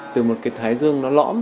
từ một cái thái dương nó lõm